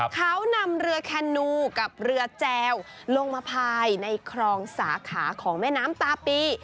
เขานำเรือแคนนูกับเรือแจวลงมาภายในครองสาขาของแม่น้ำตาปี